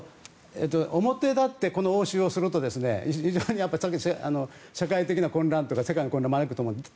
表立ってこの応酬をすると非常に社会的な混乱とか世界の混乱を招くと思うんです。